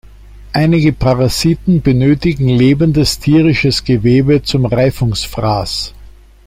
Einige Parasiten benötigen lebendes tierisches Gewebe zum Reifungsfraß.